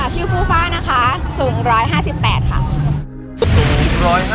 ฟูฟ่านะคะสูง๑๕๘ค่ะ